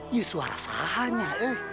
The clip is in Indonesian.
ya suara sahanya